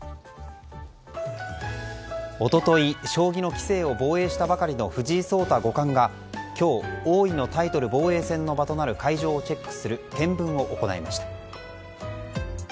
一昨日、将棋の棋聖を防衛したばかりの藤井聡太五冠が今日、王位のタイトル防衛戦の場となる会場をチェックする検分を行いました。